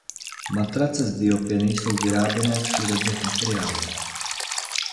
Matrace z Bio pěny jsou vyrobené z přírodních materiálů.